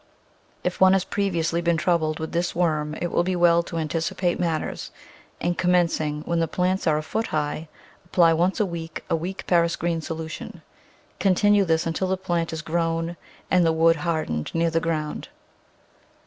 If one has previously been troubled with this worm it will be well to anticipate matters, and, commencing when the plants are a foot high, apply once a week a weak Paris green solution; continue this until the plant is grown and the wood hardened near the ground.